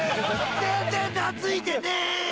全然懐いてね！